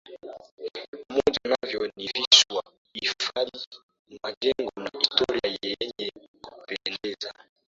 Pamoja navyo ni visiwa hifadhi majengo na historia yenye kupendeza